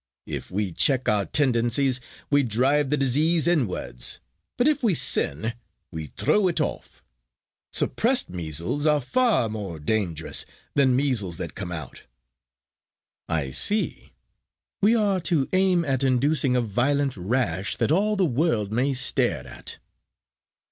If we check our tendencies, we drive the disease inwards; but if we sin, we throw it off. Suppressed measles are far more dangerous than measles that come out." "I see; we are to aim at inducing a violent rash that all the world may stare at."